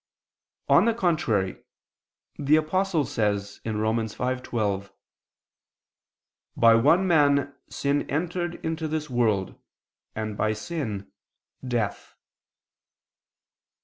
On the contrary, The Apostle says (Rom. 5:12): "By one man sin entered into this world, and by sin death."